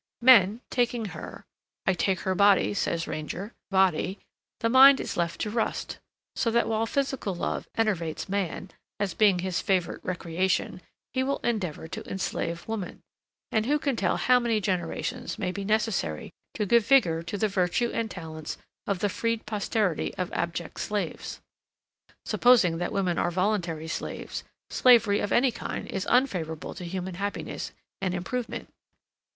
Men, taking her ('I take her body,' says Ranger.) body, the mind is left to rust; so that while physical love enervates man, as being his favourite recreation, he will endeavour to enslave woman: and who can tell how many generations may be necessary to give vigour to the virtue and talents of the freed posterity of abject slaves? ('Supposing that women are voluntary slaves slavery of any kind is unfavourable to human happiness and improvement.'